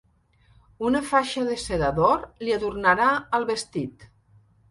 Una faixa de seda d'or li adornarà el vestit.